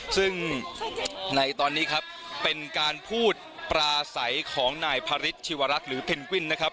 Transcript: ซึ่งในตอนนี้ครับเป็นการพูดปลาใสของนายพระฤทธิวรักษ์หรือเพนกวินนะครับ